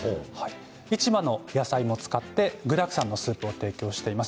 市場の野菜を使って具だくさんのスープを提供しています。